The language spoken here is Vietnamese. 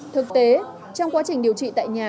thực tế trong quá trình điều trị tại nhà